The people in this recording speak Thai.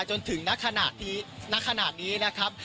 จนถึงนักขนาดนี้นะครับ